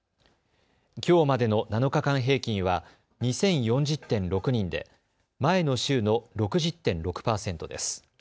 きょうまでの７日間平均は２０４０．６人で前の週の６０．６％です。